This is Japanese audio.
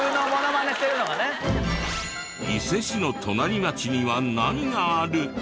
伊勢市の隣町には何がある？